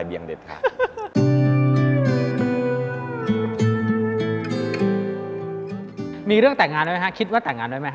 มีเรื่องแต่งงานไว้ฮะคิดว่าแต่งงานไว้มั้ยฮะ